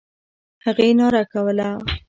هغې ناره کوله.